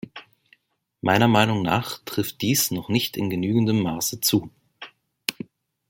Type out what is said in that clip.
Meiner Meinung nach trifft dies noch nicht in genügendem Maße zu.